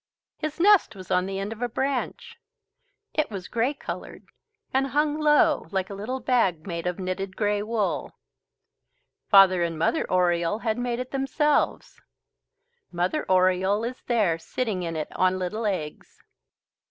His nest was on the end of a branch. It was grey coloured and hung low like a little bag, made of knitted grey wool. Father and Mother Oriole had made it themselves. Mother Oriole is there sitting in it on little eggs.